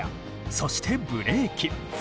そしてブレーキ。